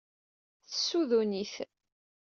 Tessudun-it.